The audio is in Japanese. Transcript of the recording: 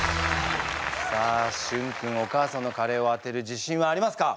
さあしゅん君お母さんのカレーを当てる自信はありますか？